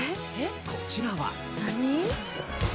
こちらは。